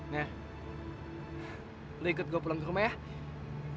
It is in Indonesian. nah lo ikut gue pulang ke rumah ya